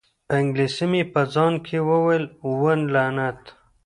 په انګلیسي مې په ځان کې وویل: اوه، لعنت!